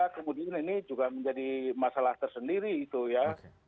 kemudian ini juga menjadi masalah tersendiri itu ya